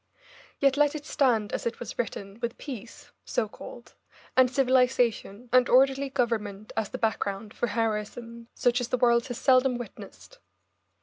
Yet let it stand as it was written, with peace so called, and civilisation, and orderly government as the background for heroism such as the world has seldom witnessed.